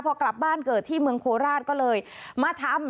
พอกลับบ้านเกิดที่เมืองโคราชก็เลยมาทำ